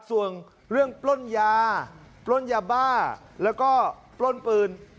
ส่วนเรื่องปล้นยาปล้นยาบ้าแล้วก็ปล้นปืน